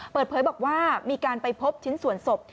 เปิดเผยบอกว่ามีการไปพบชิ้นส่วนศพ